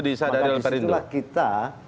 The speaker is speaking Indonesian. maka disitulah kita